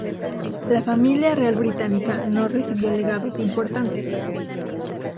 La familia real británica no recibió legados importantes.